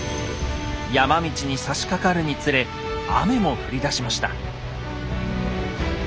山道にさしかかるにつれ雨も降りだしました。